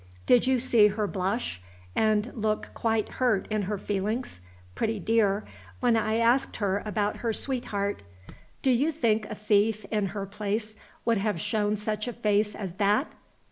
Did you see her blush, and look quite hurt in her feelings, pretty dear, when I asked about her sweetheart? Do you think a thief, in her place, would have shown such a face as that?